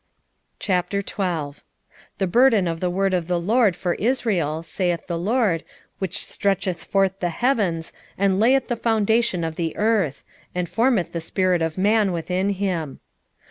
12:1 The burden of the word of the LORD for Israel, saith the LORD, which stretcheth forth the heavens, and layeth the foundation of the earth, and formeth the spirit of man within him.